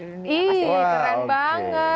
masih keren banget